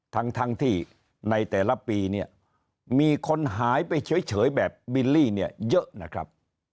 ทั้งที่ในแต่ละปีเนี่ยมีคนหายไปเฉยแบบบิลลี่เนี่ยเยอะนะครับ